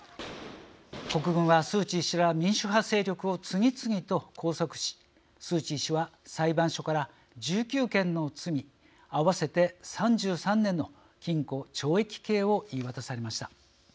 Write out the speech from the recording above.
国軍は、スー・チー氏ら民主派勢力を次々と拘束しスー・チー氏は裁判所から１９件の罪、合わせて３３年の禁錮、懲役刑を言い渡されました。